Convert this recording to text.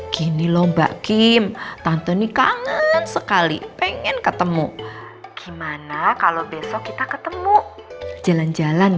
gini lomba kim tante kangen sekali pengen ketemu gimana kalau besok kita ketemu jalan jalan